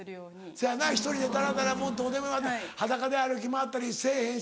せやな１人でだらだらもうどうでもええわって裸で歩き回ったりせぇへんし。